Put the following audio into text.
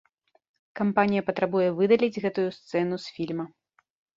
Кампанія патрабуе выдаліць гэтую сцэну з фільма.